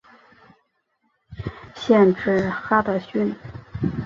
县治哈得逊。